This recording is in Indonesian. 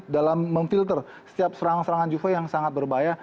dalam memfilter setiap serangan serangan juve yang sangat berbahaya